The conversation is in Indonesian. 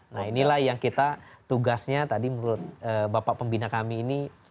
nah inilah yang kita tugasnya tadi menurut bapak pembina kami ini